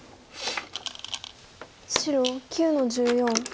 白９の十四。